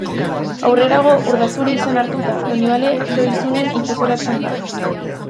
Aurrerago, Urdazuri izena hartuta, Donibane Lohizunen itsasoratzen da.